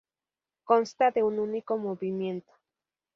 Consta de un único movimiento.